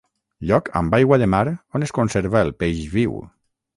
Lloc amb aigua de mar on es conserva el peix viu.